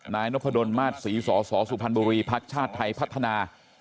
นายนพดลมาสศรีสสสุพรรณบุรีภักดิ์ชาติไทยพัฒนา